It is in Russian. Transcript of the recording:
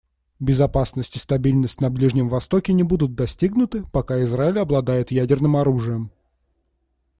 Безопасность и стабильность на Ближнем Востоке не будут достигнуты, пока Израиль обладает ядерным оружием.